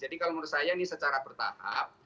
jadi kalau menurut saya ini secara bertahap